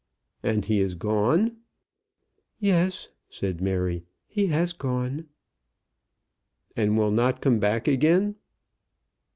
"And he is gone?" "Yes," said Mary; "he has gone." "And will not come back again?"